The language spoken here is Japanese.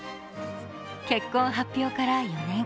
結婚発表から４年。